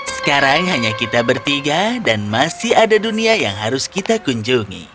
sekarang hanya kita bertiga dan masih ada dunia yang harus kita kunjungi